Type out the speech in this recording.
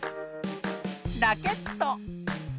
ラケット。